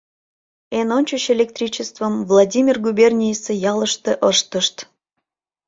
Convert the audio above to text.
Эн ончыч электричествым Владимир губернийысе ялыште ыштышт.